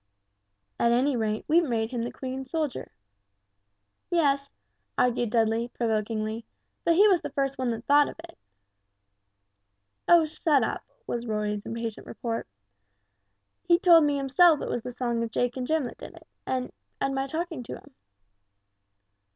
"At any rate, we've made him the Queen's soldier." "Yes," argued Dudley, provokingly; "but he was the first one that thought of it!" "Oh, shut up," was Roy's impatient retort; "he told me himself it was the song of Jake and Jim that did it, and and my talking to him."